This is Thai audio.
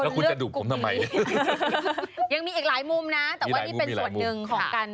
คุณก็ไม่รู้ไง